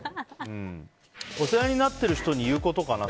お世話になってる人に言うことかな？